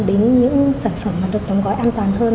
đến những sản phẩm mà được đóng gói an toàn hơn